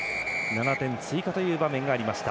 ７点追加という場面がありました。